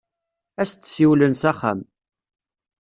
Ad as-d-siwlen s axxam.